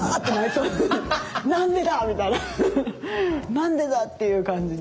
「何でだ」っていう感じで。